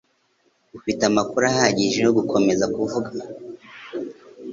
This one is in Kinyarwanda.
Ufite amakuru ahagije yo gukomeza kuvuga?